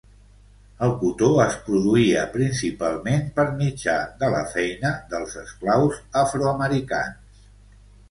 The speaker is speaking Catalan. El cotó es produïa principalment per mitjà de la feina dels esclaus afroamericans.